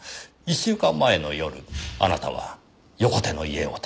１週間前の夜あなたは横手の家を訪ねた。